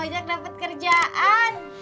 bang ojak dapet kerjaan